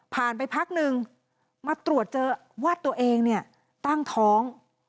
ผ่านไปพักหนึ่งมาตรวจเจอว่าตัวเองตั้งท้อง